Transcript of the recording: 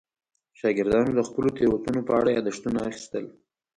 شاګردانو د خپلو تېروتنو په اړه یادښتونه اخیستل.